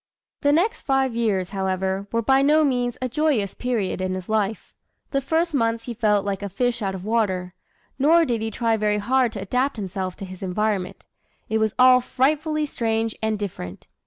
The next five years, however, were by no means a joyous period in his life. In the first months he felt like "a fish out of water"; nor did he try very hard to adapt himself to his environment. It was all frightfully strange and different.